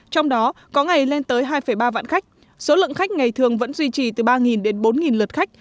trong đó có ngày lên tới hai ba vạn khách số lượng khách ngày thường vẫn duy trì từ ba đến bốn lượt khách